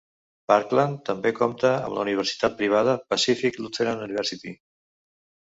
Parkland també compta amb la universitat privada Pacific Lutheran University.